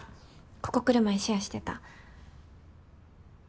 ここ来る前シェアしてた。